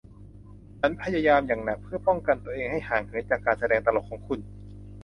ฉันพยายามอย่างหนักเพื่อป้องกันตัวเองให้ห่างเหินจากการแสดงตลกของคุณ